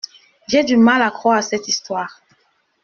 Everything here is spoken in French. J’ai du mal à croire cette histoire.